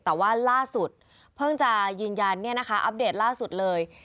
แต่ว่าล่าสุดเพิ่งจะยืนยันอัปเดตล่าสุดเลย